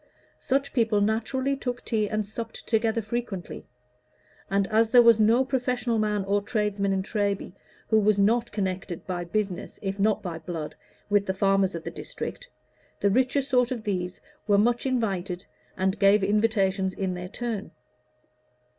Such people naturally took tea and supped together frequently; and as there was no professional man or tradesman in Treby who was not connected by business, if not by blood, with the farmers of the district, the richer sort of these were much invited, and gave invitations in their turn.